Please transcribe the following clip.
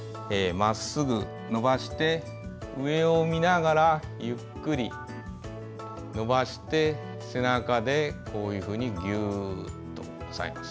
まっすぐ伸ばして上を見ながらゆっくり伸ばして背中でギュッと押さえます。